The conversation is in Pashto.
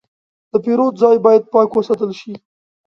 د پیرود ځای باید پاک وساتل شي.